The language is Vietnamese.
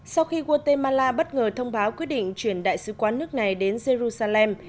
sau khi guatemala bất ngờ thông báo quyết định chuyển đại sứ quán nước này đến jerusalem